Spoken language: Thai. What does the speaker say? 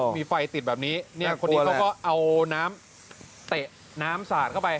มีไฟติดแบบนี้เนี่ยคนนี้เขาก็เอาน้ำเตะน้ำสาดเข้าไป